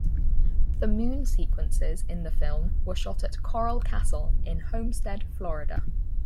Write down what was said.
The Moon sequences in the film were shot at Coral Castle in Homestead, Florida.